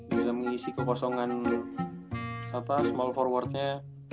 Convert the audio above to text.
bisa mengisi kekosongan small forwardnya